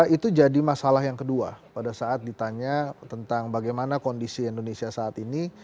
itu jadi masalah yang kedua pada saat ditanya tentang bagaimana kondisi indonesia saat ini